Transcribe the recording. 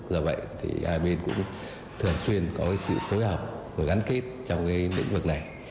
do vậy hai bên cũng thường xuyên có sự phối hợp và gắn kết trong lĩnh vực này